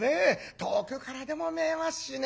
遠くからでも見えますしね